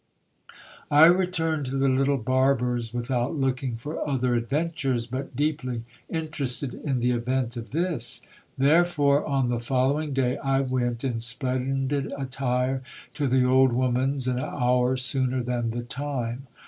I returned to the little barber's without looking for other adventures, but deeply interested in the event of this. Therefore, on the following day, I went, in splendid attire, to the old woman's an hour sooner than the time.